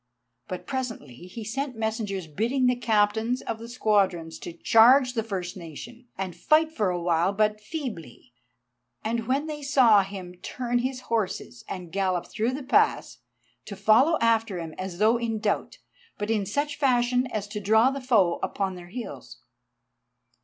But presently he sent messengers bidding the Captains of the squadrons to charge the first nation, and fight for a while but feebly, and then when they saw him turn his horses and gallop through the pass, to follow after him as though in doubt, but in such fashion as to draw the foe upon their heels.